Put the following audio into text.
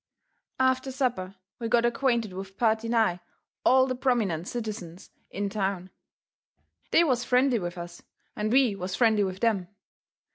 After supper we got acquainted with purty nigh all the prominent citizens in town. They was friendly with us, and we was friendly with them.